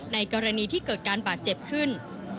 ในกรณีที่เกิดการบาดเจ็บขึ้น